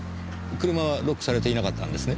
車はロックされていなかったんですね？